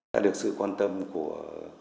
đã được sự quan tâm của